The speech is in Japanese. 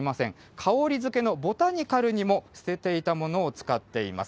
香りづけのボタニカルにも、捨てていたものを使っています。